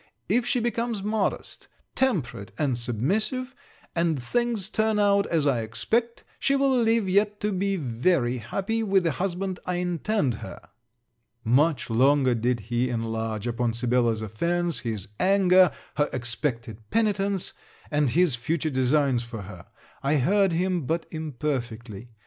If she becomes modest, temperate, and submissive, and things turn out as I expect, she will live yet to be very happy with the husband I intend her.' Much longer did he enlarge upon Sibella's offence, his anger, her expected penitence, and his future designs for her. I heard him but imperfectly.